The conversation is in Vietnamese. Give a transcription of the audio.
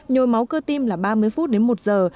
nhồi máu cơ tim là ba mươi phút đến một giờ